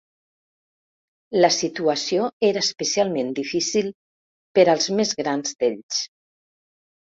La situació era especialment difícil per als més grans d'ells.